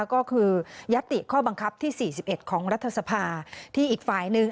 ก็คือยัตติข้อบังคับที่๔๑ของรัฐสภาที่อีกฝ่ายหนึ่ง